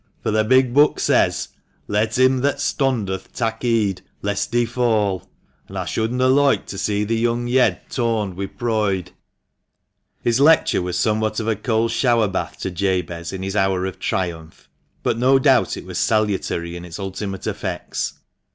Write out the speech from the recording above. for the big book says, ' Let him that stondeth tak' heed lest he fall,' an' aw shouldna loike t' see thi young yead torned wi proide." His lecture was somewhat of a cold shower bath to Jabez in his hour of triumph, but no doubt it was salutary in its ultimate effects.